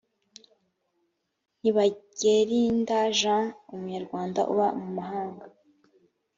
ntibagerinda jean umunyarwanda uba mumahanga